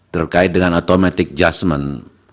terkait dengan automatic jusmen